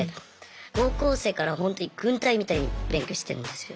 高校生からほんとに軍隊みたいに勉強してるんですよ。